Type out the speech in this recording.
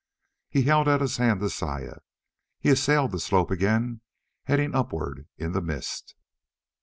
He held out his hand to Saya. He assailed the slope again, heading upward in the mist.